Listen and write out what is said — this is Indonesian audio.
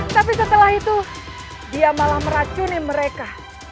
tapi setelah itu dia malah meracuni mereka